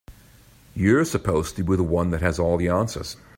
You're supposed to be the one that has all the answers.